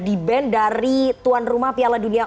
di ban dari tuan rumah piala dunia